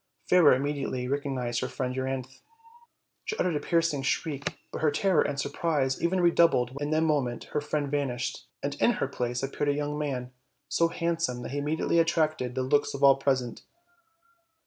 Fairer immediately recognized her friend Euryanthe. She uttered a piercing shriek, but her terror and surprise even redoubled when in a moment her friend vanished, and in her place appeared a young man, so handsome that he immediately attracted the looks of all present.